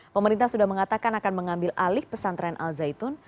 pemerintah sudah mengatakan akan mengambil alih pesantren al zaitun